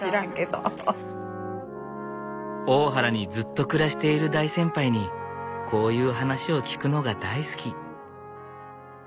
大原にずっと暮らしている大先輩にこういう話を聞くのが大好き。